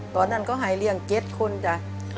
ตอนนั้นเขาหายเลี่ยงเก็ตคนจ้ะ